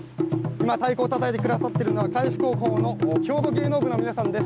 今、太鼓をたたいてくださっているのは、海部高校の郷土芸能部の皆さんです。